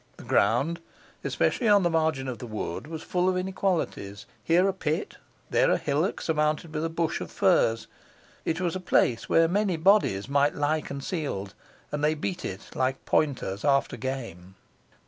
The ground, especially on the margin of the wood, was full of inequalities here a pit, there a hillock surmounted with a bush of furze. It was a place where many bodies might lie concealed, and they beat it like pointers after game.